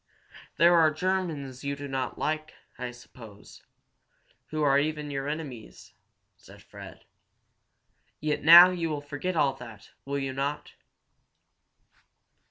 "There are Germans you do not like, I suppose who are even your enemies," said Fred. "Yet now you will forget all that, will you not?"